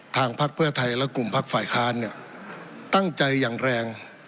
พักเพื่อไทยและกลุ่มพักฝ่ายค้านเนี่ยตั้งใจอย่างแรง